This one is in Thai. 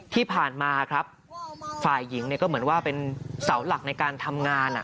ที่ผ่านมาครับฝ่ายหญิงก็เหมือนว่าเป็นเสาหลักในการทำงาน